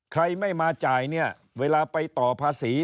ใครไม่มาจ่ายเนี่ยเวลาไปต่อภาษี